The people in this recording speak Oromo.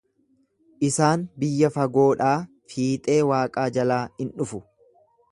Isaan biyya fagoodhaa, fiixee waaqaa jalaa in dhufu.